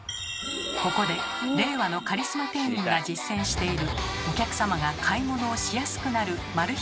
ここで令和のカリスマ店員が実践しているお客様が買い物をしやすくなるマル秘